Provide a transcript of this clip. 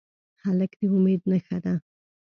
هلک د امید نښه ده.